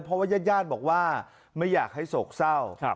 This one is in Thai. เพราะว่าญาติบอกว่าไม่อยากให้โศกเศร้า